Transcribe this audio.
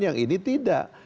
yang ini tidak